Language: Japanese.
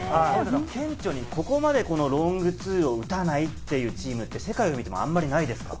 顕著にここまでロングツーを打たないというチームって世界で見てもあまりないですか？